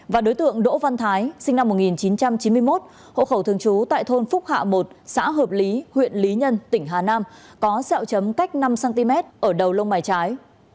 và đối tượng đỗ văn thái sinh năm một nghìn chín trăm chín mươi một hộ khẩu thường trú tại thôn phúc hạ một xã hợp lý huyện lý nhân tỉnh hà nam có xeo chấm cách năm cm ở đầu lông bài trái